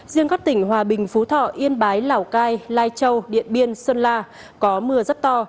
riêng các tỉnh hòa bình phú thọ yên bái lào cai lai châu điện biên sơn la có mưa rất to